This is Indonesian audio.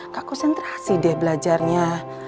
kakus sentrasi deh belajarnya